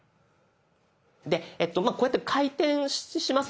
でこうやって回転しますよね。